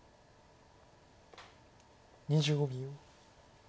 ２５秒。